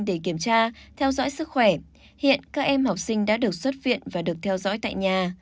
để kiểm tra theo dõi sức khỏe hiện các em học sinh đã được xuất viện và được theo dõi tại nhà